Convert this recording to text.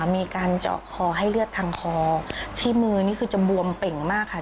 มีการเจาะคอให้เลือดทางคอที่มือนี่คือจะบวมเป่งมากค่ะ